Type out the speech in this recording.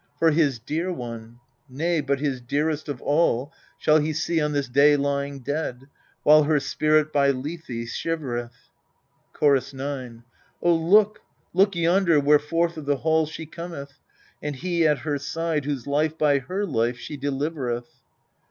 For his dear one nay, but his dearest of all Shall he see on this day lying dead, while her spirit by Lethe shivereth. Chorus 9. O look ! look yonder, where forth of the hall She cometh, and he at her side whose life by her life she delivereth.